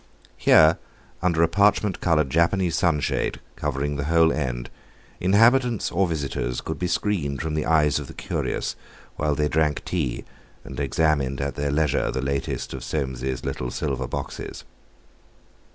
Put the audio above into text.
Here, under a parchment coloured Japanese sunshade covering the whole end, inhabitants or visitors could be screened from the eyes of the curious while they drank tea and examined at their leisure the latest of Soames's little silver boxes.